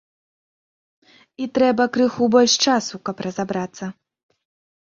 І трэба крыху больш часу, каб разабрацца.